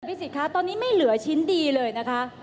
สิทธิคะตอนนี้ไม่เหลือชิ้นดีเลยนะคะ